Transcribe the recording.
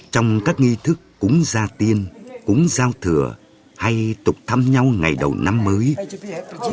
trong các nghi thức cúng gia tiên cúng giao thừa hay tục thăm nhau ngày đầu năm mới